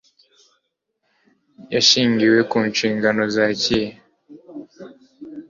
hashingiwe ku nshingano za kiye